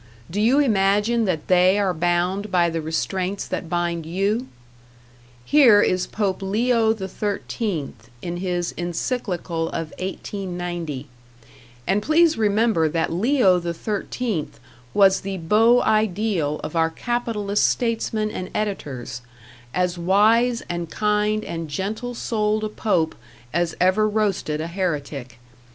Do you imagine that they are bound by the restraints that bind #you#? Here is Pope Leo XIII, in his Encyclical of 1890 and please remember that Leo XIII was the #beau ideal# of our capitalist statesmen and editors, as wise and kind and gentle souled a pope as ever roasted a heretic.